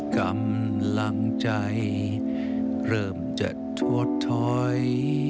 กำลังใจเริ่มจะทวดถอย